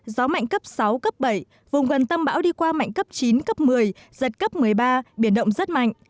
gió mạnh cấp sáu cấp bảy vùng gần tâm bão đi qua mạnh cấp chín cấp một mươi giật cấp một mươi ba biển động rất mạnh